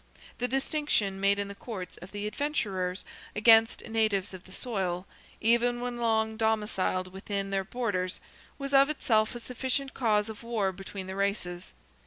The distinction made in the courts of the adventurers against natives of the soil, even when long domiciled within their borders, was of itself a sufficient cause of war between the races.